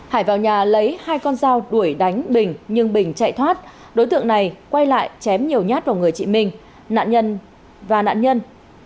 hải vào nhà lấy hai con dao đuổi đánh bình nhưng bình chạy thoát đối tượng này quay lại chém nhiều nhát vào người chị minh nạn nhân và nạn nhân